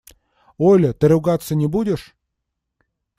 – Оля, ты ругаться не будешь?